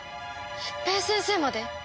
一平先生まで？